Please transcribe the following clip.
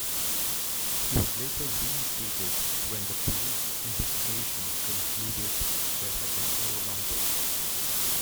He was later reinstated when the police investigation concluded there had been no wrongdoing.